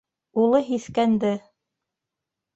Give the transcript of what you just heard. - Улы һиҫкәнде.